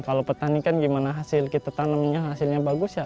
kalau petani kan gimana hasil kita tanamnya hasilnya bagus ya